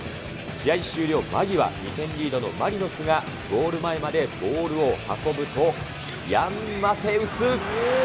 試合終了間際、２点リードのマリノスが、ゴール前までボールを運ぶと、ヤン・マテウス。